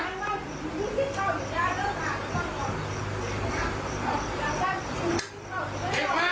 ก็ไม่รอ